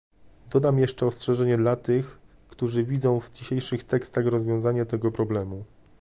Dodam jeszcze ostrzeżenie dla tych, którzy widzą w dzisiejszych tekstach rozwiązanie tego problemu